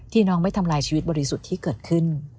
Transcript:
น้องไม่ทำลายชีวิตบริสุทธิ์ที่เกิดขึ้น